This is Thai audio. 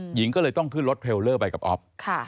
หญิงก็เลยต้องขึ้นรถเทลเลอร์ไปกับอ๊อฟ